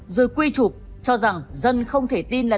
rồi quy chụp cho rằng dân không thể tin là đảng có thể tham nhũng